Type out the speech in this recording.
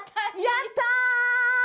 やった！